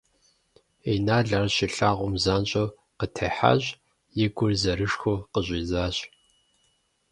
Инал ар щилъагъум, занщӀэу къытехьащ, и гур зэрышхыу къыщӀидзащ.